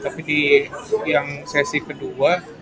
tapi yang sesi kedua